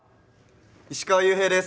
石川裕平です。